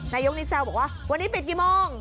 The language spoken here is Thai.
นายกนี้แซวบอกว่าวันนี้ปิดกี่โมง